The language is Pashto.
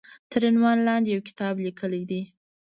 تر عنوان لاندې يو کتاب ليکلی دی